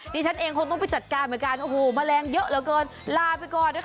ดิฉันเองคงต้องไปจัดการเหมือนกันโอ้โหแมลงเยอะเหลือเกินลาไปก่อนนะคะ